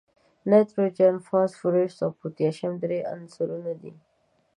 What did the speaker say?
نایتروجن، فاسفورس او پوتاشیم درې عنصره دي.